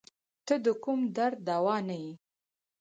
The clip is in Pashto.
ته د کوم درد دوا نه یی